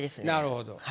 なるほど。